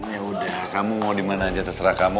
ya udah kamu mau di mana aja terserah kamu